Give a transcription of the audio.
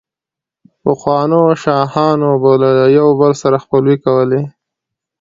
پخوانو شاهانو به له يو بل سره خپلوۍ کولې،